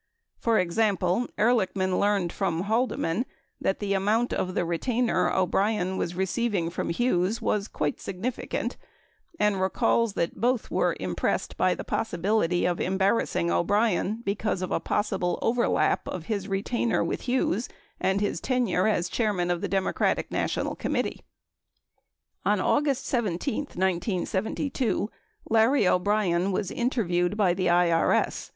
For example, Ehrlichman learned from Halde man that the amount of the retainer O'Brien was receiving from Hughes was quite significant, and recalls that both were impressed by the possibility of embarrassing O'Brien because of a possible overlap of his retainer with Hughes and his tenure as chairman of the Demo cratic National Committee. 22 On August 17, 1072, Larry O'Brien was interviewed by the IBS.